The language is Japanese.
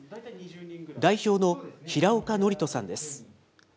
代表の平岡憲人さんです。